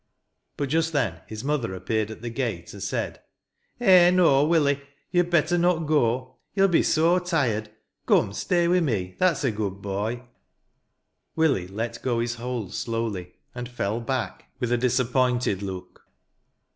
But, just then, his mother appeared at the gate, and said: " Eh, no, Willie, you'd better not go. Youll be so tired. Come, stay with me. Th.it's a good boy." Willie let go his hold s'owly, and fell back 6 with a disappointed look.